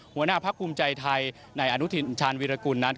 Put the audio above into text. หัวหน้าพักภูมิใจไทยในอนุทินชาญวิรากุลนั้น